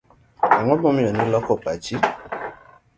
Ang'o momiyo ni loko pachi?